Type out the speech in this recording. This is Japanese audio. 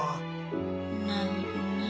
なるほどね。